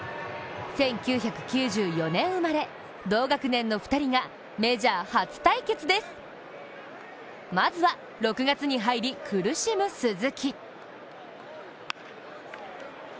１９９４年生まれ、同学年の２人がメジャー初対決ですまずは６月に入り苦しむ鈴木。